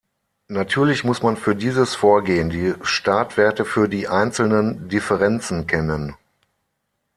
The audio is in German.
Natürlich muss man für dieses Vorgehen die Startwerte für die einzelnen Differenzen kennen.